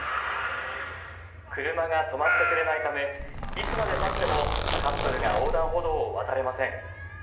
車が止まってくれないためいつまでたってもカップルが横断歩道を渡れません。